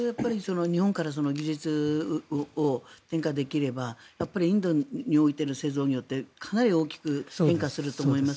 日本から技術を転化できればインドにおいての製造業ってかなり大きく変化すると思います。